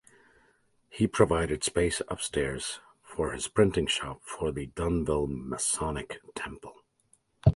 He provided space upstairs from his printing shop for the Dunnville Masonic Temple.